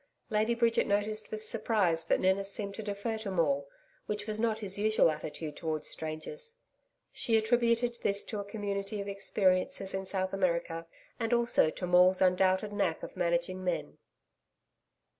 Lady Bridget noticed with surprise that Ninnis seemed to defer to Maule, which was not his usual attitude towards strangers. She attributed this to a community of experiences in South America, and also to Maule's undoubted knack of managing men.